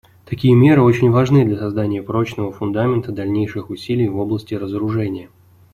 Такие меры очень важны для создания прочного фундамента дальнейших усилий в области разоружения.